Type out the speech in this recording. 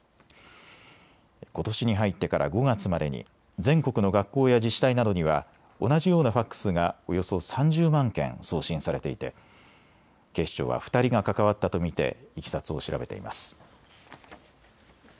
ことしに入ってから５月までに全国の学校や自治体などには同じようなファックスがおよそ３０万件送信されていて警視庁は２人が関わったと見ていきさつを調べています。